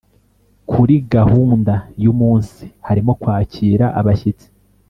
Kuri gahunda y’umunsi harimo kwakira abashyitsi